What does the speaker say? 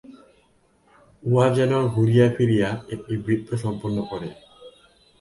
উহা যেন ঘুরিয়া ফিরিয়া একটি বৃত্ত সম্পূর্ণ করে।